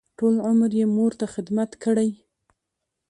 ټول عمر یې مور ته خدمت کړی.